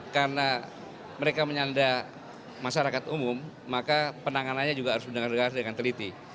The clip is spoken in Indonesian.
karena mereka menyanda masyarakat umum maka penanganannya juga harus mendengar dengan teliti